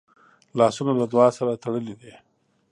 لاسونه له دعا سره تړلي دي